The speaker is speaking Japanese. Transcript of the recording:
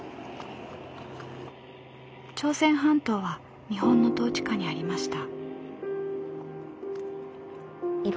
朝鮮半島は日本の統治下にありました。